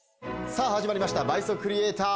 さぁ始まりました「倍速リエイター」。